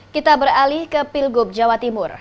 kita beralih ke pilgub jawa timur